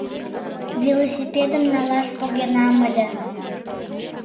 Велосипедым налаш погенам ыле».